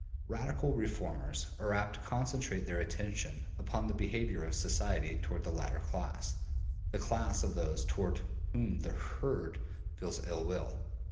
Radical reformers are apt to concentrate their attention upon the behavior of society toward the latter class, the class of those toward whom the ``herd'' feels ill will.